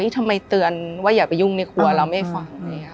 ทำไมเตือนว่าอย่าไปยุ่งในครัวเราไม่ฟัง